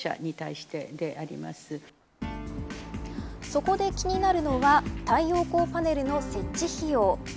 そこで気になるのは太陽光パネルの設置費用。